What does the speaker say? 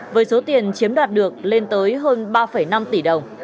với số tiền chiếm đoạt được lên tới hơn ba năm tỷ đồng